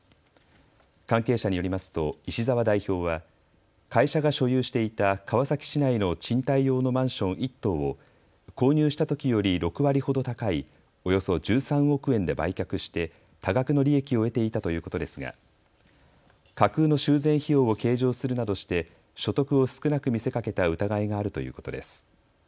関係者によりますと石澤代表は会社が所有していた川崎市内の賃貸用のマンション１棟を購入したときより６割ほど高いおよそ１３億円で売却して多額の利益を得ていたということですが架空の修繕費用を計上するなどして所得を少なく見せかけた疑いがあるということです。